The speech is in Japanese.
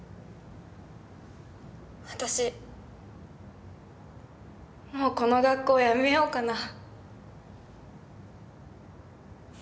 私もうこの学校やめようかな。